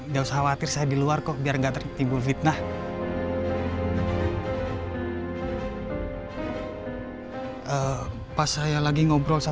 gak usah khawatir saya di luar kok biar enggak tertimbul fitnah pas saya lagi ngobrol sama